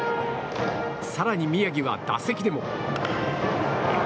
更に宮城は打席でも。